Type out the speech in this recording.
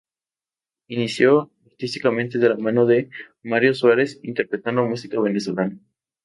Se inició artísticamente de la mano de Mario Suárez, interpretando música venezolana.